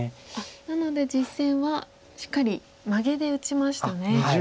なので実戦はしっかりマゲで打ちました。